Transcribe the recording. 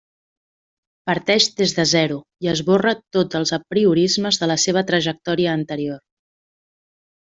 Parteix des de zero i esborra tots els apriorismes de la seva trajectòria anterior.